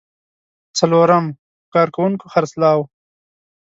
څلورم: په کارکوونکو خرڅلاو.